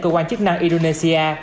cơ quan chức năng indonesia